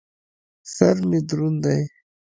سر مې دروند دى.